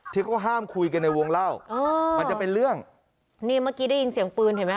ที่เขาห้ามคุยกันในวงเล่าอ๋อมันจะเป็นเรื่องนี่เมื่อกี้ได้ยินเสียงปืนเห็นไหม